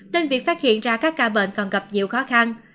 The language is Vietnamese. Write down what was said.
nên việc phát hiện ra các ca bệnh còn gặp nhiều khó khăn